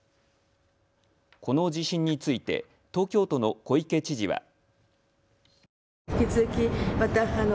この地震について東京都の小池知事は。